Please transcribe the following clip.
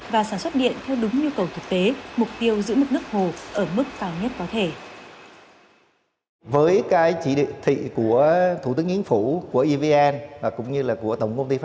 và sản xuất điện theo đúng nhu cầu thực tế mục tiêu giữ mực nước hồ ở mức cao nhất có thể